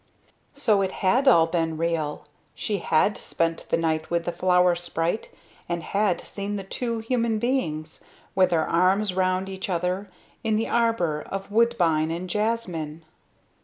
So it had all been real, she had spent the night with the flower sprite and had seen the two human beings, with their arms round each other, in the arbor of woodbine and jasmine.